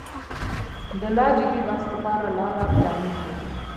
د لا جدي بحث لپاره لاره پرانیزو.